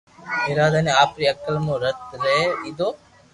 اراده ني آپري عقل مون رڌ ري ڌيڌو